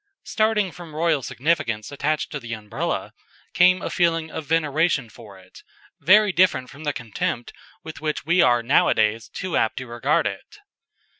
Starting from the royal significance attached to the Umbrella, came a feeling of veneration for it, very different from the contempt with which we are now a days too apt to regard it.